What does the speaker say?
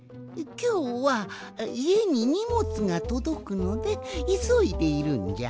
きょうはいえににもつがとどくのでいそいでいるんじゃ。